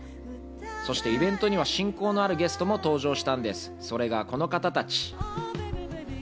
そしてイベントには親交のあるゲストも登場したんです。